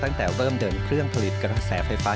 ตั้งแต่เริ่มเดินเครื่องผลิตกระแสไฟฟ้า